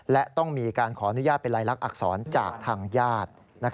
และต้องมีการขออนุญาตเป็นลายลักษณอักษรจากทางญาติ